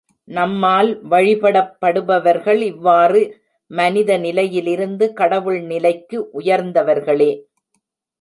நம்மால் வழிபடப்படுபவர்கள், இவ்வாறு, மனித நிலையிலிருந்து கடவுள் நிலைக்கு உயர்ந்தவர்களே.